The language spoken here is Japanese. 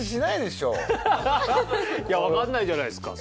いやわかんないじゃないですか。